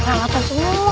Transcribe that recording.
buat salah apa semua